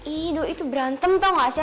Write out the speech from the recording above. ih doh itu berantem tau nggak sih